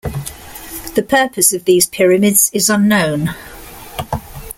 The purpose of these pyramids is unknown.